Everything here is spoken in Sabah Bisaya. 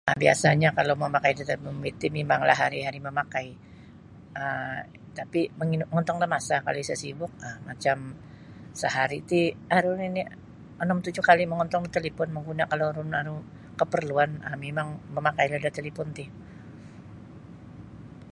um Biasanyo kalau mamakai da talipon bimbit ti mimanglah hari-hari mamakai um tapi mongontong da masa kalau isa sibuk macam sehari ti aru nini onom tujuh kali mongontong da talipun mangguna kalau aru keperluan um mimang mamakailah da talipon ti.